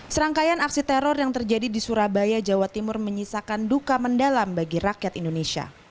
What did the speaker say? serangkaian aksi teror yang terjadi di surabaya jawa timur menyisakan duka mendalam bagi rakyat indonesia